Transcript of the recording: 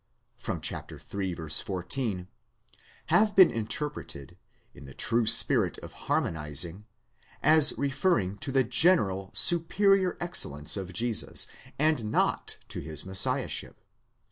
(iii. 14), have been interpreted, in the true spirit of harmonizing, as referring to the general superior excellence of Jesus, and not to his Messiahship."